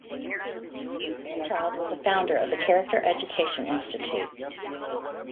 Fairchild was a founder of the Character Education Institute.